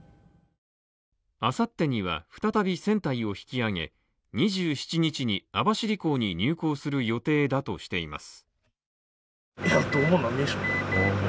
明後日には再び船体を引き揚げ、２７日に網走港に入港する予定だとしています。